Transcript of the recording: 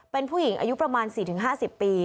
เป็นผู้หญิงอายุประมาณ๔๕๐ปี